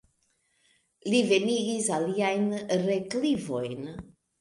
Li venigis aliajn relikvojn.